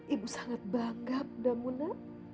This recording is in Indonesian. ibu sangat bangga bda muna